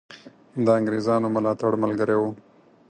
د انګرېزانو ملاتړ ملګری وو.